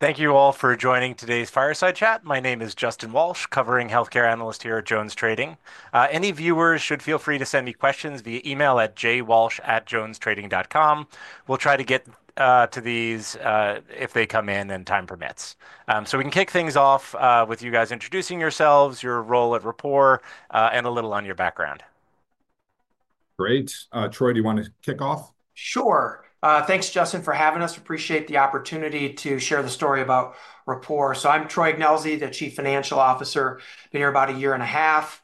Thank you all for joining today's fireside chat. My name is Justin Walsh, covering healthcare analyst here at JonesTrading. Any viewers should feel free to send me questions via email at jwalsh@jonestrading.com. We'll try to get to these if they come in and time permits. We can kick things off with you guys introducing yourselves, your role at Rapport, and a little on your background. Great. Troy, do you want to kick off? Sure. Thanks, Justin, for having us. Appreciate the opportunity to share the story about Rapport. I'm Troy Ignelzi, the Chief Financial Officer here about a year and a half.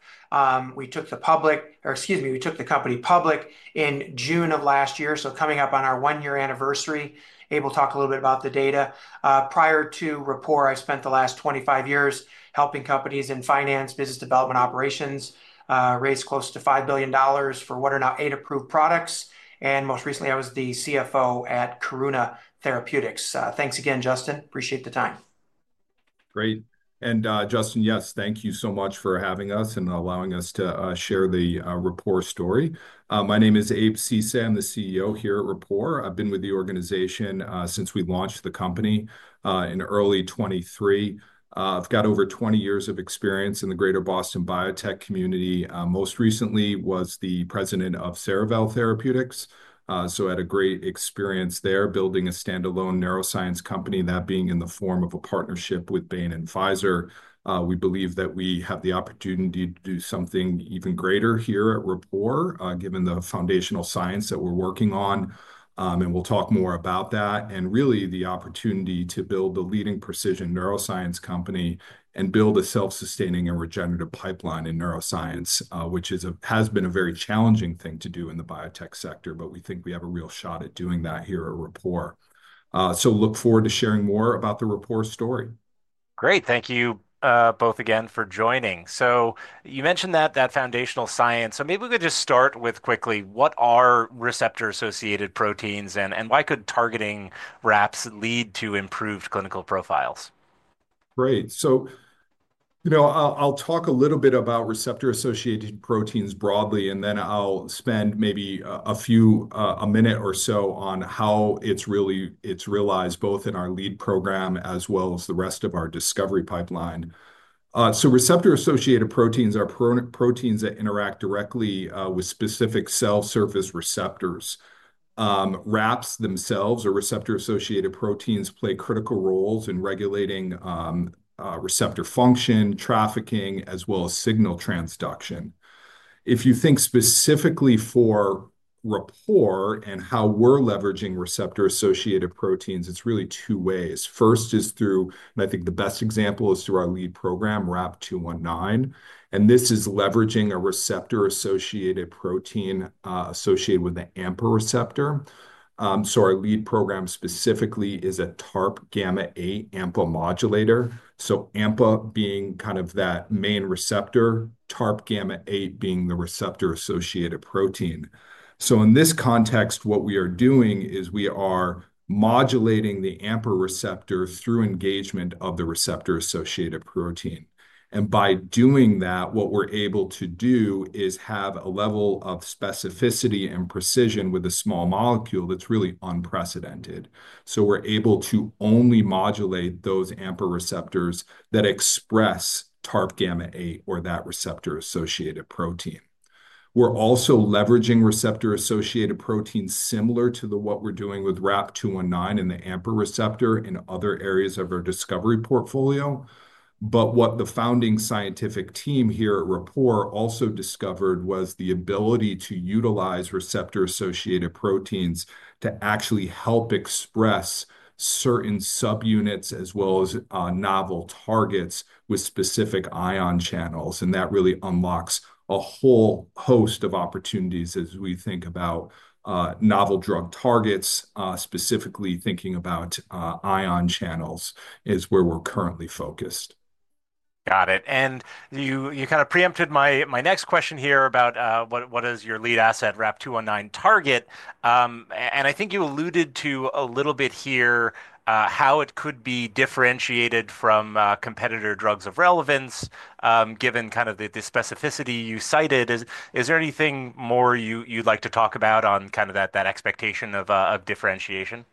We took the company public in June of last year. Coming up on our one-year anniversary, Abe will talk a little bit about the data. Prior to Rapport, I spent the last 25 years helping companies in finance, business development, operations, raise close to $5 billion for what are now eight approved products. Most recently, I was the CFO at Karuna Therapeutics. Thanks again, Justin. Appreciate the time. Great. Justin, yes, thank you so much for having us and allowing us to share the Rapport story. My name is Abe Ceesay. I'm the CEO here at Rapport. I've been with the organization since we launched the company in early 2023. I've got over 20 years of experience in the greater Boston biotech community. Most recently, I was the president of Cerevel Therapeutics. I had a great experience there building a standalone neuroscience company, that being in the form of a partnership with Bain Capital and Pfizer. We believe that we have the opportunity to do something even greater here at Rapport, given the foundational science that we're working on. We will talk more about that and really the opportunity to build the leading precision neuroscience company and build a self-sustaining and regenerative pipeline in neuroscience, which has been a very challenging thing to do in the biotech sector. We think we have a real shot at doing that here at Rapport. I look forward to sharing more about the Rapport story. Great. Thank you both again for joining. You mentioned that foundational science. Maybe we could just start with quickly, what are receptor-associated proteins and why could targeting RAPs lead to improved clinical profiles? Great. I'll talk a little bit about receptor-associated proteins broadly, and then I'll spend maybe a minute or so on how it's realized both in our lead program as well as the rest of our discovery pipeline. Receptor-associated proteins are proteins that interact directly with specific cell surface receptors. RAPs themselves, or receptor-associated proteins, play critical roles in regulating receptor function, trafficking, as well as signal transduction. If you think specifically for Rapport and how we're leveraging receptor-associated proteins, it's really two ways. First is through, and I think the best example is through our lead program, RAP-219. This is leveraging a receptor-associated protein associated with an AMPA receptor. Our lead program specifically is a TARPγ8 AMPA modulator. AMPA being kind of that main receptor, TARPγ8 being the receptor-associated protein. In this context, what we are doing is we are modulating the AMPA receptor through engagement of the receptor-associated protein. By doing that, what we're able to do is have a level of specificity and precision with a small molecule that's really unprecedented. We're able to only modulate those AMPA receptors that express TARPγ8 or that receptor-associated protein. We're also leveraging receptor-associated proteins similar to what we're doing with RAP-219 and the AMPA receptor in other areas of our discovery portfolio. What the founding scientific team here at Rapport also discovered was the ability to utilize receptor-associated proteins to actually help express certain subunits as well as novel targets with specific ion channels. That really unlocks a whole host of opportunities as we think about novel drug targets, specifically thinking about ion channels is where we're currently focused. Got it. You kind of preempted my next question here about what is your lead asset, RAP-219 target. I think you alluded to a little bit here how it could be differentiated from competitor drugs of relevance given kind of the specificity you cited. Is there anything more you'd like to talk about on kind of that expectation of differentiation?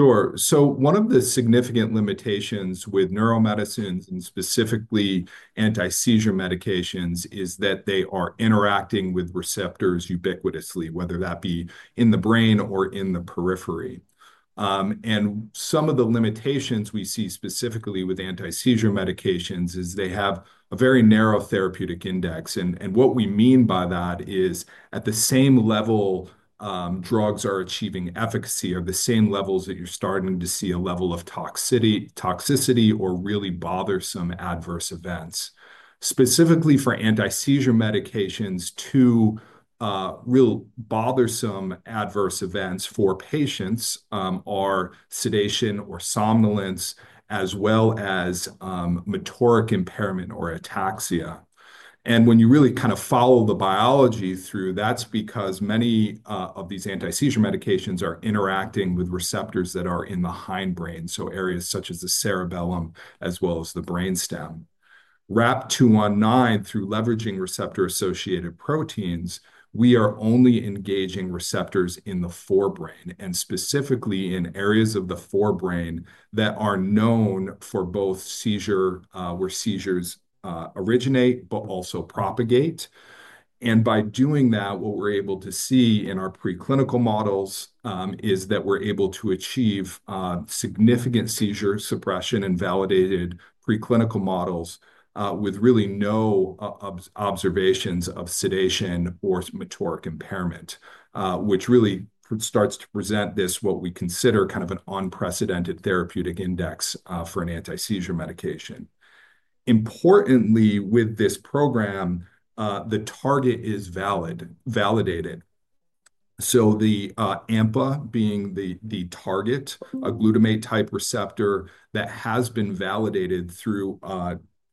Sure. One of the significant limitations with neuromedicines and specifically anti-seizure medications is that they are interacting with receptors ubiquitously, whether that be in the brain or in the periphery. Some of the limitations we see specifically with anti-seizure medications is they have a very narrow therapeutic index. What we mean by that is at the same level drugs are achieving efficacy are the same levels that you're starting to see a level of toxicity or really bothersome adverse events. Specifically for anti-seizure medications, two real bothersome adverse events for patients are sedation or somnolence as well as motoric impairment or ataxia. When you really kind of follow the biology through, that's because many of these anti-seizure medications are interacting with receptors that are in the hindbrain, so areas such as the cerebellum as well as the brainstem. RAP-219, through leveraging receptor-associated proteins, we are only engaging receptors in the forebrain and specifically in areas of the forebrain that are known for both where seizures originate, but also propagate. By doing that, what we're able to see in our preclinical models is that we're able to achieve significant seizure suppression in validated preclinical models with really no observations of sedation or motoric impairment, which really starts to present this, what we consider kind of an unprecedented therapeutic index for an anti-seizure medication. Importantly, with this program, the target is validated. The AMPA being the target, a glutamate-type receptor that has been validated through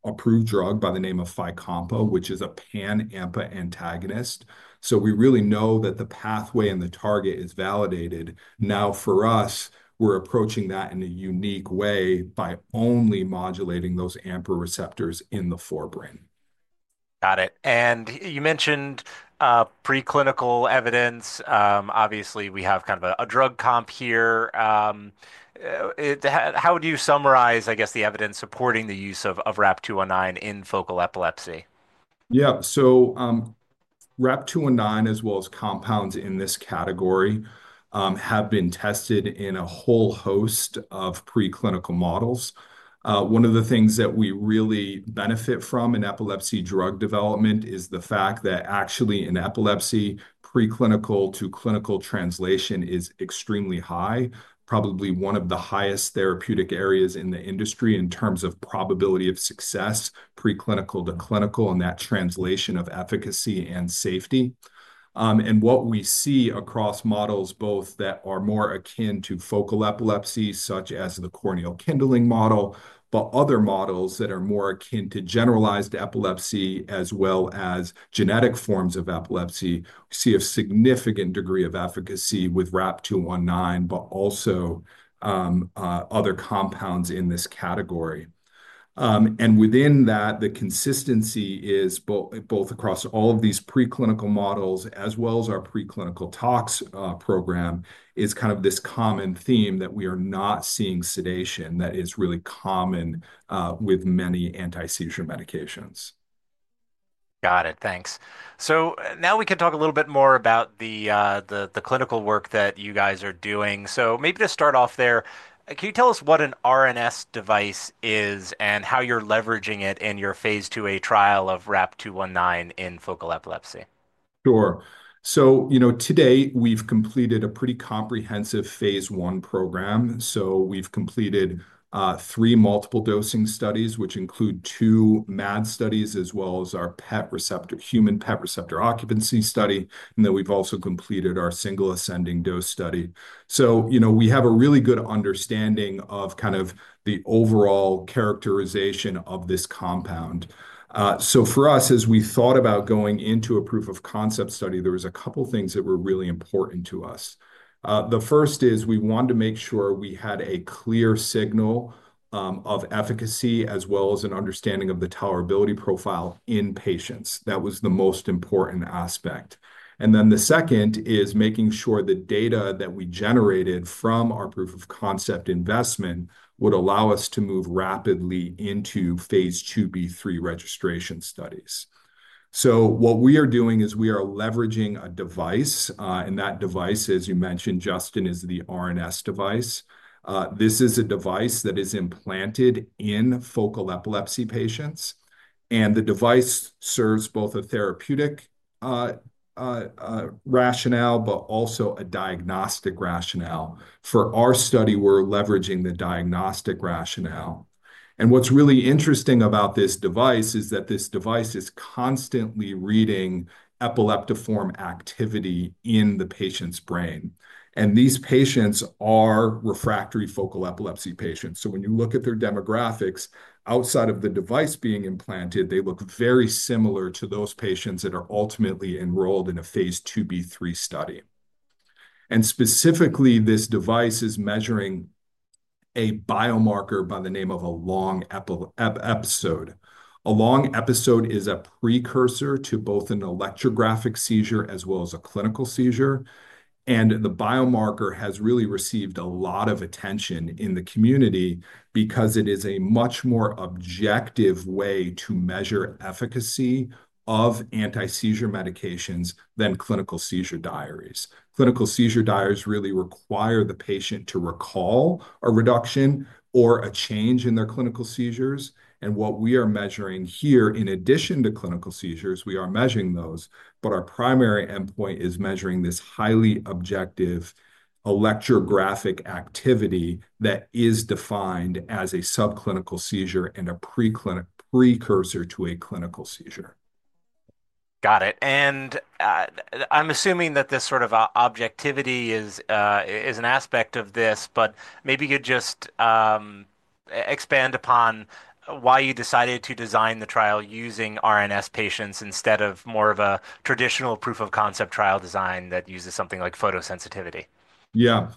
approved drug by the name of Fycompa, which is a pan-AMPA antagonist. We really know that the pathway and the target is validated. Now for us, we're approaching that in a unique way by only modulating those AMPA receptors in the forebrain. Got it. You mentioned preclinical evidence. Obviously, we have kind of a drug comp here. How would you summarize, I guess, the evidence supporting the use of RAP-219 in focal epilepsy? Yeah. RAP-219, as well as compounds in this category, have been tested in a whole host of preclinical models. One of the things that we really benefit from in epilepsy drug development is the fact that actually in epilepsy, preclinical to clinical translation is extremely high, probably one of the highest therapeutic areas in the industry in terms of probability of success, preclinical to clinical, and that translation of efficacy and safety. What we see across models both that are more akin to focal epilepsy, such as the corneal kindling model, but other models that are more akin to generalized epilepsy as well as genetic forms of epilepsy, we see a significant degree of efficacy with RAP-219, but also other compounds in this category. Within that, the consistency is both across all of these preclinical models as well as our preclinical tox program is kind of this common theme that we are not seeing sedation that is really common with many anti-seizure medications. Got it. Thanks. Now we can talk a little bit more about the clinical work that you guys are doing. Maybe to start off there, can you tell us what an RNS device is and how you're leveraging it in your phase II-A trial of RAP-219 in focal epilepsy? Sure. Today we've completed a pretty comprehensive phase I program. We've completed three multiple dosing studies, which include two MAD studies as well as our human PET receptor occupancy study. We've also completed our Single Ascending Dose study. We have a really good understanding of kind of the overall characterization of this compound. For us, as we thought about going into a proof of concept study, there were a couple of things that were really important to us. The first is we wanted to make sure we had a clear signal of efficacy as well as an understanding of the tolerability profile in patients. That was the most important aspect. The second is making sure the data that we generated from our proof of concept investment would allow us to move rapidly into phase II-B3 registration studies. What we are doing is we are leveraging a device. That device, as you mentioned, Justin, is the RNS device. This is a device that is implanted in focal epilepsy patients. The device serves both a therapeutic rationale and a diagnostic rationale. For our study, we're leveraging the diagnostic rationale. What's really interesting about this device is that this device is constantly reading epileptiform activity in the patient's brain. These patients are refractory focal epilepsy patients. When you look at their demographics outside of the device being implanted, they look very similar to those patients that are ultimately enrolled in a phase II-B3 study. Specifically, this device is measuring a biomarker by the name of a long episode. A long episode is a precursor to both an electrographic seizure as well as a clinical seizure. The biomarker has really received a lot of attention in the community because it is a much more objective way to measure efficacy of anti-seizure medications than clinical seizure diaries. Clinical seizure diaries really require the patient to recall a reduction or a change in their clinical seizures. What we are measuring here, in addition to clinical seizures, we are measuring those, but our primary endpoint is measuring this highly objective electrographic activity that is defined as a subclinical seizure and a precursor to a clinical seizure. Got it. I'm assuming that this sort of objectivity is an aspect of this, but maybe you could just expand upon why you decided to design the trial using RNS patients instead of more of a traditional proof of concept trial design that uses something like photosensitivity. Yeah.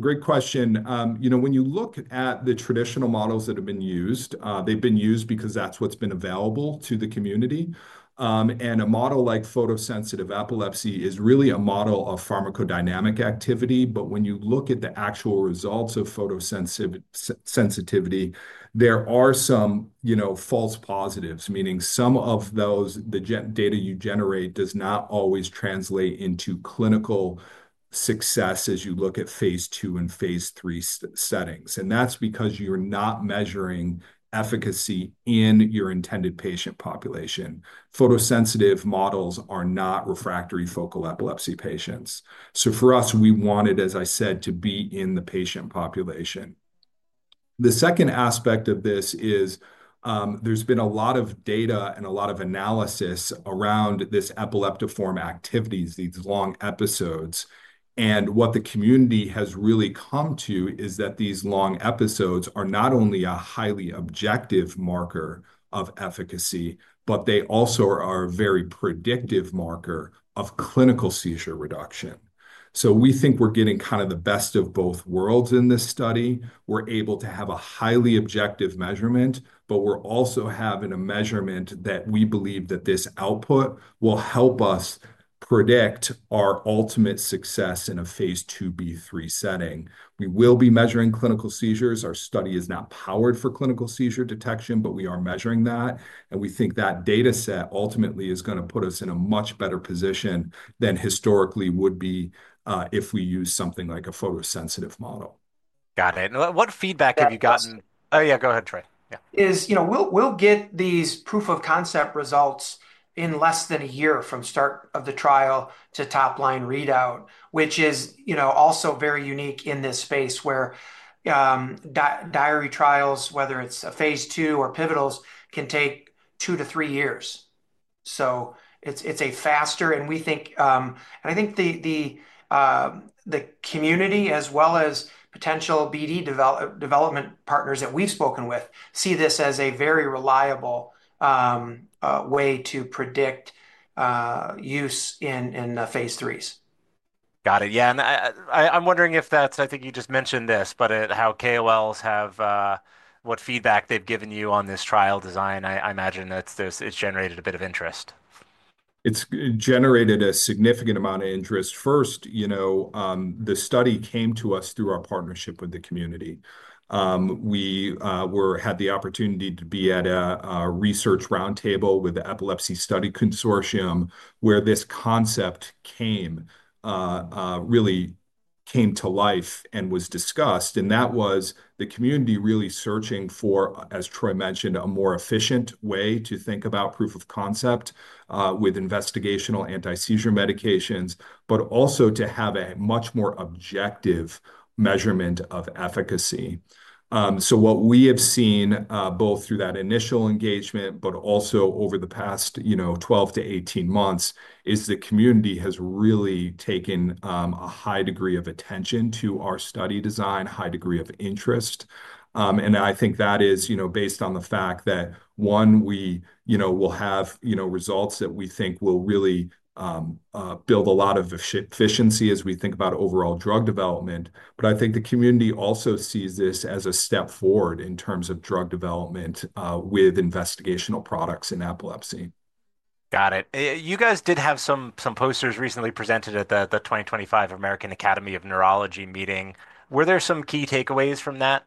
Great question. When you look at the traditional models that have been used, they've been used because that's what's been available to the community. A model like photosensitive epilepsy is really a model of pharmacodynamic activity. When you look at the actual results of photosensitivity, there are some false positives, meaning some of the data you generate does not always translate into clinical success as you look at phase II and phase III settings. That's because you're not measuring efficacy in your intended patient population. Photosensitive models are not refractory focal epilepsy patients. For us, we wanted, as I said, to be in the patient population. The second aspect of this is there's been a lot of data and a lot of analysis around this epileptiform activities, these long episodes. What the community has really come to is that these long episodes are not only a highly objective marker of efficacy, but they also are a very predictive marker of clinical seizure reduction. We think we're getting kind of the best of both worlds in this study. We're able to have a highly objective measurement, but we're also having a measurement that we believe that this output will help us predict our ultimate success in a phase II-B3 setting. We will be measuring clinical seizures. Our study is not powered for clinical seizure detection, but we are measuring that. We think that dataset ultimately is going to put us in a much better position than historically would be if we use something like a photosensitive model. Got it. What feedback have you gotten? Oh, yeah, go ahead, Troy. Yeah. Is we'll get these proof of concept results in less than a year from start of the trial to top-line readout, which is also very unique in this space where diary trials, whether it's a phase II or pivotals, can take two to three years. It is a faster, and we think, and I think the community as well as potential BD development partners that we've spoken with see this as a very reliable way to predict use in phase III's. Got it. Yeah. I'm wondering if that's, I think you just mentioned this, but how KOLs have, what feedback they've given you on this trial design. I imagine that it's generated a bit of interest. It's generated a significant amount of interest. First, the study came to us through our partnership with the community. We had the opportunity to be at a research roundtable with the Epilepsy Study Consortium where this concept really came to life and was discussed. That was the community really searching for, as Troy mentioned, a more efficient way to think about proof of concept with investigational anti-seizure medications, but also to have a much more objective measurement of efficacy. What we have seen both through that initial engagement, but also over the past 12-18 months is the community has really taken a high degree of attention to our study design, high degree of interest. I think that is based on the fact that, one, we will have results that we think will really build a lot of efficiency as we think about overall drug development. I think the community also sees this as a step forward in terms of drug development with investigational products in epilepsy. Got it. You guys did have some posters recently presented at the 2025 American Academy of Neurology meeting. Were there some key takeaways from that?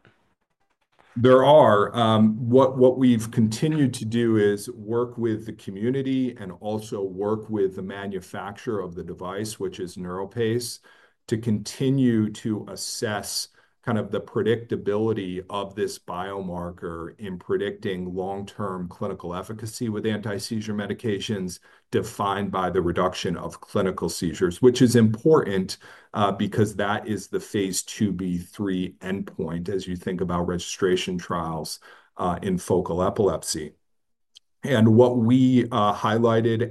There are. What we've continued to do is work with the community and also work with the manufacturer of the device, which is NeuroPace, to continue to assess kind of the predictability of this biomarker in predicting long-term clinical efficacy with anti-seizure medications defined by the reduction of clinical seizures, which is important because that is the phase II-B3 endpoint as you think about registration trials in focal epilepsy. What we highlighted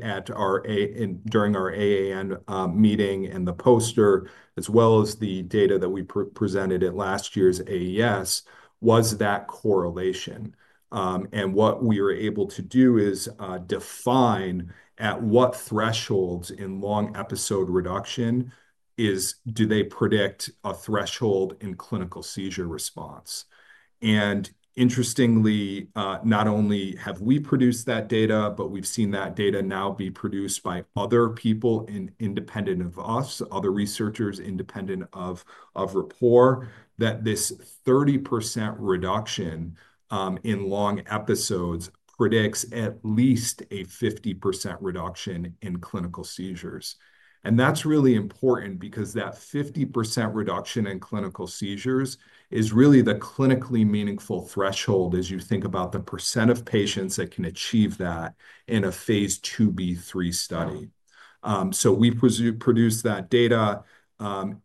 during our AAN meeting and the poster, as well as the data that we presented at last year's AES, was that correlation. What we were able to do is define at what thresholds in long episode reduction do they predict a threshold in clinical seizure response. Interestingly, not only have we produced that data, but we've seen that data now be produced by other people independent of us, other researchers independent of Rapport, that this 30% reduction in long episodes predicts at least a 50% reduction in clinical seizures. That's really important because that 50% reduction in clinical seizures is really the clinically meaningful threshold as you think about the percent of patients that can achieve that in a phase II-B3 study. We produced that data.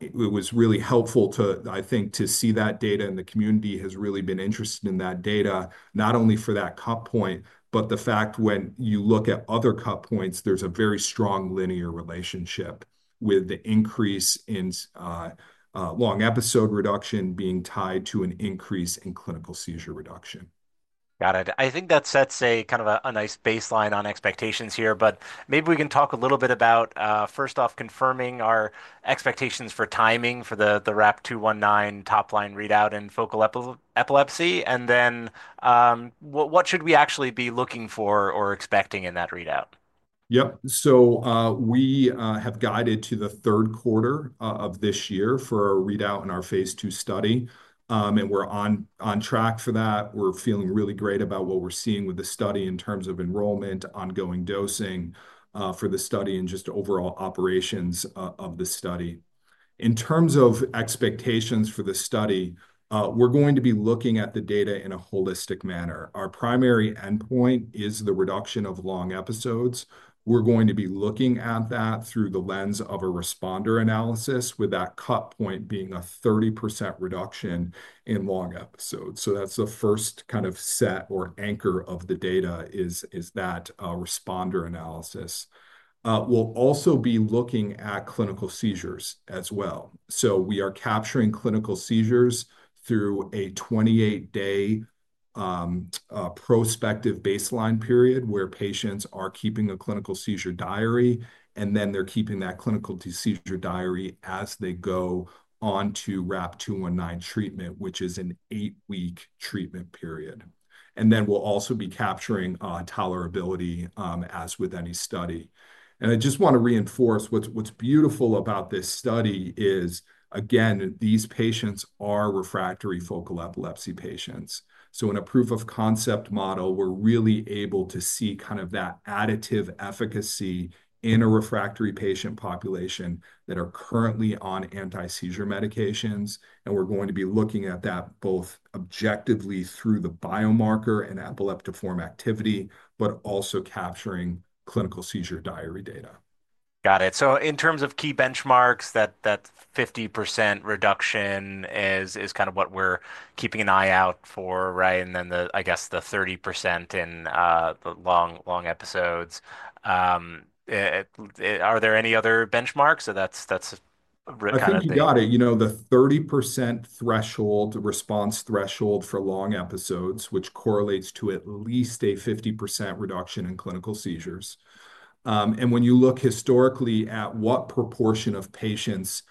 It was really helpful to, I think, to see that data and the community has really been interested in that data, not only for that cut point, but the fact when you look at other cut points, there's a very strong linear relationship with the increase in long episode reduction being tied to an increase in clinical seizure reduction. Got it. I think that sets a kind of a nice baseline on expectations here, but maybe we can talk a little bit about, first off, confirming our expectations for timing for the RAP-219 top-line readout in focal epilepsy. And then what should we actually be looking for or expecting in that readout? Yep. We have guided to the third quarter of this year for our readout in our phase II study. We're on track for that. We're feeling really great about what we're seeing with the study in terms of enrollment, ongoing dosing for the study, and just overall operations of the study. In terms of expectations for the study, we're going to be looking at the data in a holistic manner. Our primary endpoint is the reduction of long episodes. We're going to be looking at that through the lens of a responder analysis with that cut point being a 30% reduction in long episodes. That's the first kind of set or anchor of the data, is that responder analysis. We'll also be looking at clinical seizures as well. We are capturing clinical seizures through a 28-day prospective baseline period where patients are keeping a clinical seizure diary, and then they're keeping that clinical seizure diary as they go on to RAP-219 treatment, which is an eight-week treatment period. We will also be capturing tolerability as with any study. I just want to reinforce what's beautiful about this study is, again, these patients are refractory focal epilepsy patients. In a proof of concept model, we're really able to see kind of that additive efficacy in a refractory patient population that are currently on anti-seizure medications. We're going to be looking at that both objectively through the biomarker and epileptiform activity, but also capturing clinical seizure diary data. Got it. In terms of key benchmarks, that 50% reduction is kind of what we're keeping an eye out for, right? And then the, I guess, the 30% in the long episodes. Are there any other benchmarks? That's kind of. I think you got it. You know, the 30% threshold, response threshold for long episodes, which correlates to at least a 50% reduction in clinical seizures. When you look historically at what proportion of patients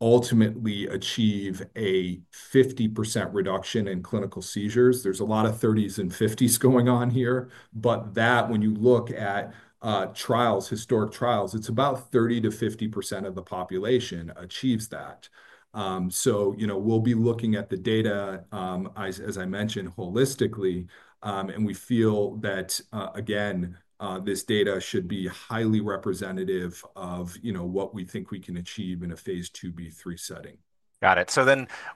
ultimately achieve a 50% reduction in clinical seizures, there's a lot of 30s and 50s going on here. That, when you look at historic trials, it's about 30%-50% of the population achieves that. We will be looking at the data, as I mentioned, holistically. We feel that, again, this data should be highly representative of what we think we can achieve in a phase II-B3 setting. Got it.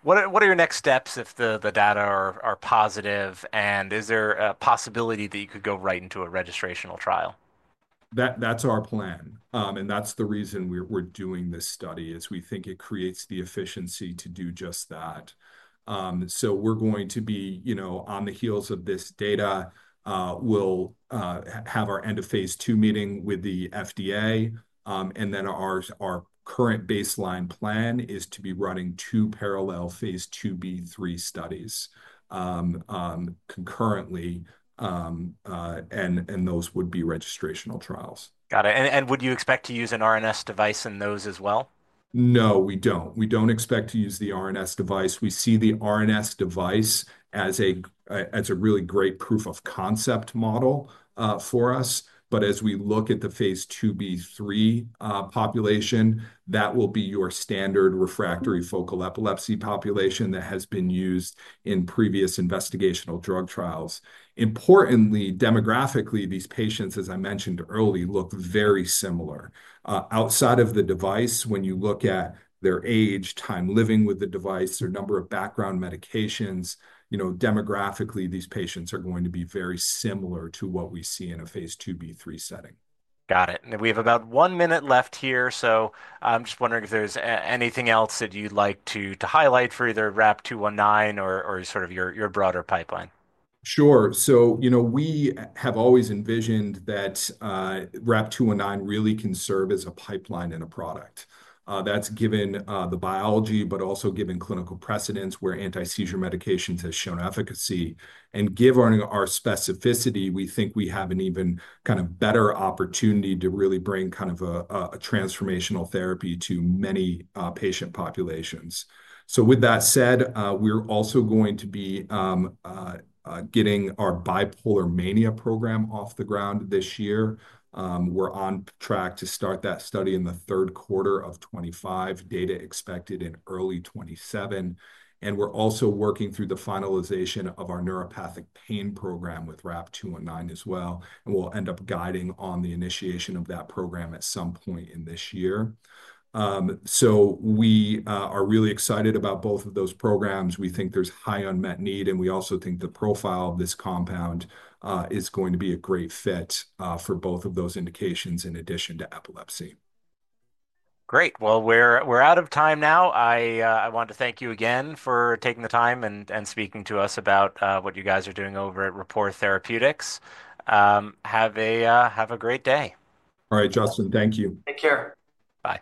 What are your next steps if the data are positive? Is there a possibility that you could go right into a registrational trial? That's our plan. That is the reason we're doing this study, as we think it creates the efficiency to do just that. We are going to be on the heels of this data, we'll have our end of phase II meeting with the FDA. Our current baseline plan is to be running two parallel phase II-B3 studies concurrently. Those would be registrational trials. Got it. Would you expect to use an RNS device in those as well? No, we don't. We don't expect to use the RNS device. We see the RNS device as a really great proof of concept model for us. As we look at the phase II-B3 population, that will be your standard refractory focal epilepsy population that has been used in previous investigational drug trials. Importantly, demographically, these patients, as I mentioned early, look very similar. Outside of the device, when you look at their age, time living with the device, their number of background medications, demographically, these patients are going to be very similar to what we see in a phase II-B3 setting. Got it. We have about one minute left here. I'm just wondering if there's anything else that you'd like to highlight for either RAP-219 or sort of your broader pipeline. Sure. We have always envisioned that RAP-219 really can serve as a pipeline and a product. That is given the biology, but also given clinical precedence where anti-seizure medications have shown efficacy. Given our specificity, we think we have an even kind of better opportunity to really bring kind of a transformational therapy to many patient populations. With that said, we are also going to be getting our bipolar mania program off the ground this year. We are on track to start that study in the third quarter of 2025, data expected in early 2027. We are also working through the finalization of our neuropathic pain program with RAP-219 as well. We will end up guiding on the initiation of that program at some point in this year. We are really excited about both of those programs. We think there is high unmet need. We also think the profile of this compound is going to be a great fit for both of those indications in addition to epilepsy. Great. We are out of time now. I want to thank you again for taking the time and speaking to us about what you guys are doing over at Rapport Therapeutics. Have a great day. All right, Justin. Thank you. Take care. Bye.